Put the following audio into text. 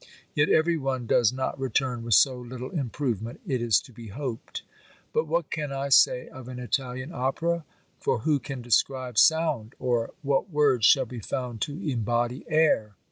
Yet every one does not return with so little improvement, it is to be hoped. But what can I say of an Italian opera? For who can describe sound! Or what words shall be found to embody air?